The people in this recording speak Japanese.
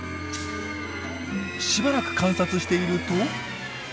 しばらく観察していると。